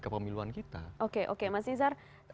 kepemiluan kita oke oke mas izar